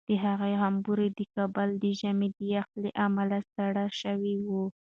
د هغې غومبوري د کابل د ژمي د یخ له امله سره شوي وو.